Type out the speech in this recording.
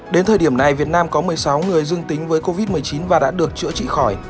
đến thời điểm này việt nam có một mươi sáu người dương tính với covid một mươi chín và đã được chữa trị khỏi